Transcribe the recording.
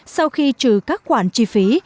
sau khi trừ các quản chi phí